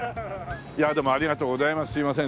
いやでもありがとうございます。